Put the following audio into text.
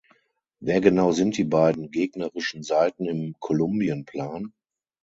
Wer genau sind die beiden gegnerischen Seiten im Kolumbien-Plan?